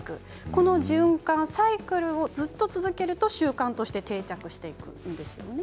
この循環、サイクルをずっと続けると習慣として定着していくんですよね。